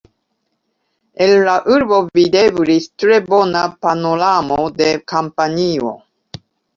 El la urbo videblis tre bona panoramo de Kampanio.